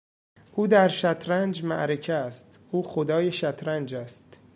او در شطرنج معرکه است، او خدای شطرنج است.